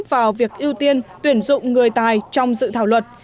vào việc ưu tiên tuyển dụng người tài trong dự thảo luật